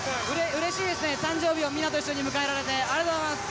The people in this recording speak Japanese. うれしいですね、誕生日をみんなと一緒に迎えられて、ありがとうございます。